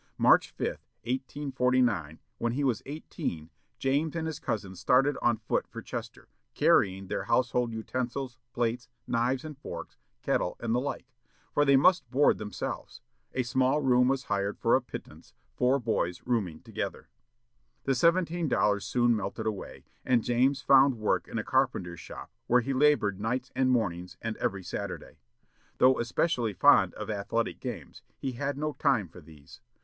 March 5, 1849, when he was eighteen, James and his cousins started on foot for Chester, carrying their housekeeping utensils, plates, knives and forks, kettle, and the like; for they must board themselves. A small room was hired for a pittance, four boys rooming together. The seventeen dollars soon melted away, and James found work in a carpenter's shop, where he labored nights and mornings, and every Saturday. Though especially fond of athletic games, he had no time for these.